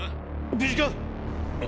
無事か⁉あ？